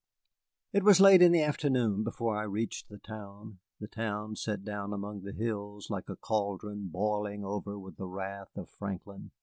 It was late in the afternoon before I reached the town, the town set down among the hills like a caldron boiling over with the wrath of Franklin.